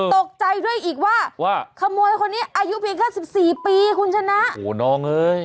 ตกใจด้วยอีกว่าขโมยคนนี้อายุเพียงกัน๑๔ปีคุณชนะโอ้โฮน้องเอ๊ย